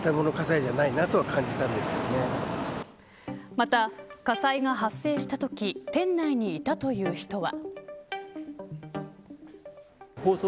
また、火災が発生したとき店内にいたという人は。